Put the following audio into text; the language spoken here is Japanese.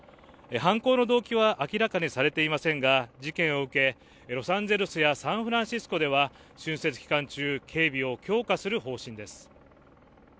犯行の動機は明らかにされていませんが事件を受けロサンゼルスやサンフランシスコでは春節期間中警備を強化する方針です